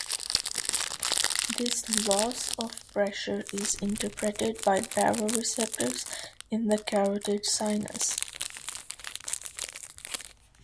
This loss of pressure is interpreted by baroreceptors in the carotid sinus.